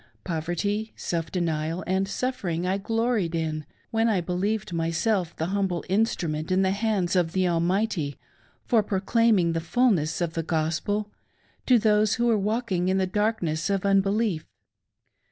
Poverty, self denial,, arid suffering, I gloried in, when I believed myself the humble in strument in the hands of the Almighty for proclaiming the " Fulness o' the Gospel" to those who were walking in the dark ness of unbelief.